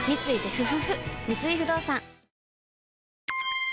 三井不動産